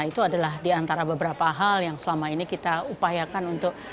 itu adalah diantara beberapa hal yang selama ini kita upayakan untuk